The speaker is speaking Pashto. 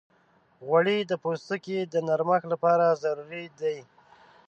غوړې د پوستکي د نرمښت لپاره ضروري دي.